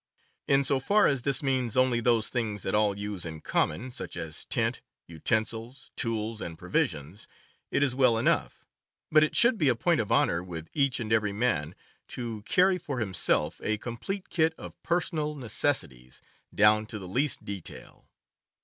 In so far as this means only those things that all use in common, such as tent, utensils, tools, and provisions, it is well enough; but it should be a point of honor with each and every man to carry for himself a complete kit of personal necessities, down to the least detail.